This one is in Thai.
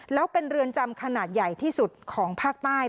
แล้วเป็นเรือนจำขนาดใหญ่ที่สุดของภาคใต้